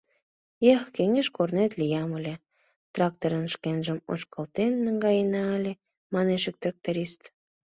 — Эх, кеҥеж корнет лиям ыле, тракторым шкенжым ошкылтен наҥгаена ыле! — манеш ик тракторист.